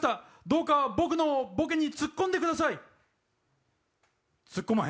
どうか僕のボケにツッコんでください。